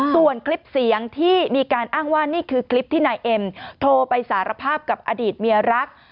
ส่วนคลิปเสียงที่มีการอ้างว่านี่คือคลิปที่นายเอ็มโทรไปสารภาพกับอดีตเมียรัก